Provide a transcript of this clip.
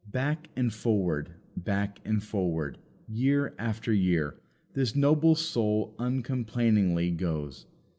Back and forward, back and forward, year after year, this noble soul uncomplainingly goes.